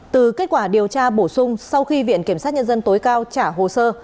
từ kết quả điều tra bổ sung sau khi viện kiểm sát nhân dân tối cao trả hồ sơ